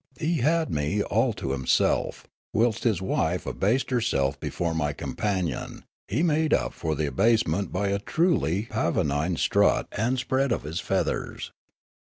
He had me all to himself ; whilst his wife abased herself before my com panion, he made up for the abasement by a truly pavonine strut and spread of his feathers.